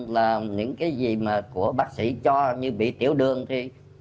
là những cái gì mà của bác sĩ cho như bị tiểu đường thì